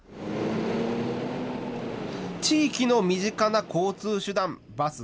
地域の身近な交通手段、バス。